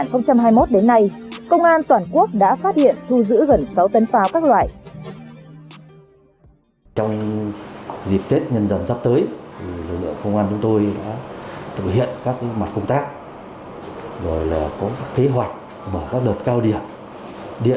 năm hai nghìn hai mươi một đến nay công an toàn quốc đã phát hiện thu giữ gần sáu tấn pháo các loại